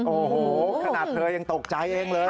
โอ้โหขนาดเธอยังตกใจเองเลย